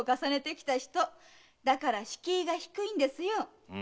だから敷居が低いんですよ。